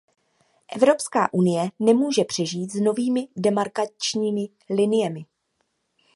Evropská unie nemůže přežít s novými demarkačními liniemi.